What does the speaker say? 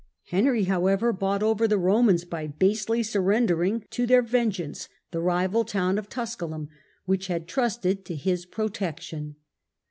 Henry, however, bought over the Eomans by basely surrendering to their vengeance the rival town of Tusculum, which had trusted to his protection.